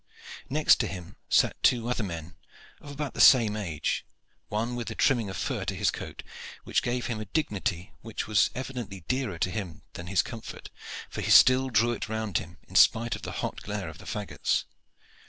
Next to him sat two other men of about the same age, one with a trimming of fur to his coat, which gave him a dignity which was evidently dearer to him than his comfort, for he still drew it round him in spite of the hot glare of the faggots.